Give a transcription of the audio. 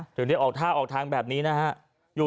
ถึงได้ออกท่าออกทางแบบนี้นะฮะ